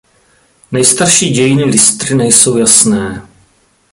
Nejstarší dějiny Lystry nejsou jasné.